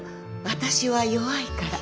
私は弱いから」。